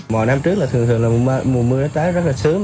mọi năm trước là thường thường là mùa mưa nó tới rất là sớm